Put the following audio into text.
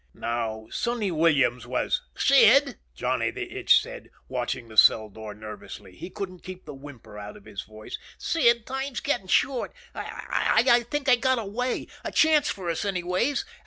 Now, Sonny Williams was "Sid," Johnny the Itch said, watching the cell door nervously. He couldn't keep the whimper out of his voice now. "Sid, time's getting short. I I think I got a way, a chance for us anyways.